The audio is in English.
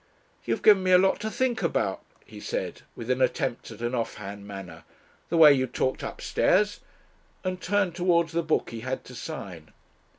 "You've given me a lot to think about," he said with an attempt at an off hand manner. "The way you talked upstairs;" and turned towards the book he had to sign.